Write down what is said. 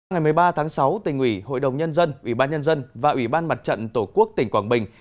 ngày một mươi ba tháng sáu tỉnh ủy hội đồng nhân dân ủy ban nhân dân và ủy ban mặt trận tổ quốc tỉnh quảng bình